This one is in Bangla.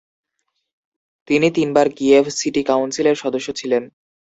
তিনি তিনবার কিয়েভ সিটি কাউন্সিলের সদস্য ছিলেন।